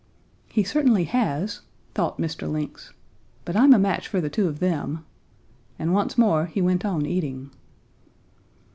'He certainly has,' thought Mr. Lynx, 'but I'm a match for two of them,' and once more he went on eating.